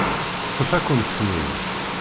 Teṭṭef-akent-ten-id.